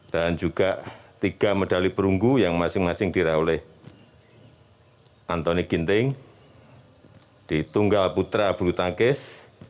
dan juga tiga medali perunggu yang masing masing dirah oleh antoni ginting di tunggal putra bulutangkes